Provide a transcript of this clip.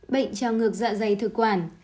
bệnh trao ngược dạ dày thực quản